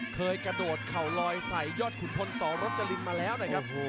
เคยกระโดดเข่าลอยใส่ยอดขุนพลสรจรินมาแล้วนะครับ